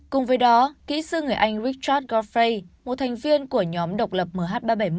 cùng với đó kỹ sư người anh richtart gofray một thành viên của nhóm độc lập mh ba trăm bảy mươi